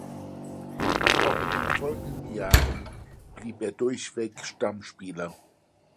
Auch in den folgenden Jahren blieb er durchweg Stammspieler.